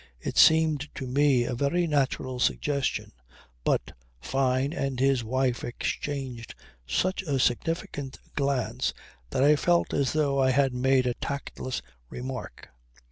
It seemed to me a very natural suggestion; but Fyne and his wife exchanged such a significant glance that I felt as though I had made a tactless remark.